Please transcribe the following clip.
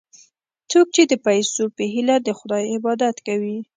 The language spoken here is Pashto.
څوک چې د پیسو په هیله د خدای عبادت کوي.